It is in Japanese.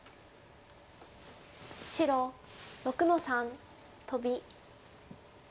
白６の三トビ。